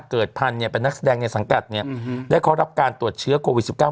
เกิดพันธุ์เป็นนักแสดงในสังกัดได้เขารับการตรวจเชื้อโควิด๑๙